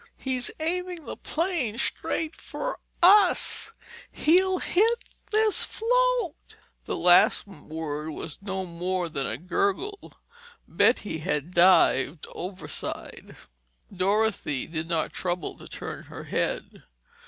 "He's aiming the plane straight for us—it'll hit this float—" The last word was no more than a gurgle. Betty had dived overside. Dorothy did not trouble to turn her head.